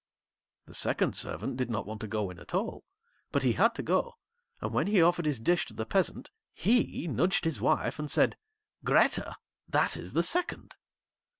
The second Servant did not want to go in at all, but he had to go, and when he offered his dish to the Peasant he nudged his wife, and said 'Grethe, that is the second.'